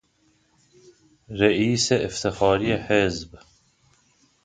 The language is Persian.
رییس افتخاری حزب